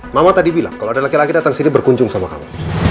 mama tadi bilang kalau ada laki laki datang sini berkunjung sama kamu